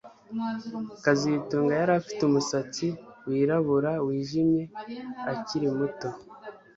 kazitunga yari afite umusatsi wirabura wijimye akiri muto